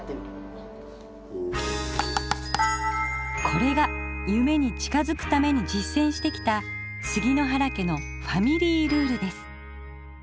これが夢に近づくためにじっせんしてきた杉之原家のファミリールールです。